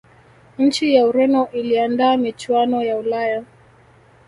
nchi ya ureno iliandaa michuano ya ulaya